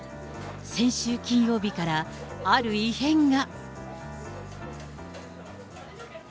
先週金曜日からある異変が。